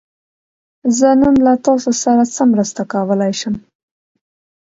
زه نن له تاسو سره څه مرسته کولی شم؟